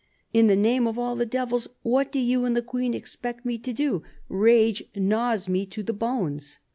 In the name of all the devils, what do you and the Queen expect me to do ? Rage gnaws me to the bones."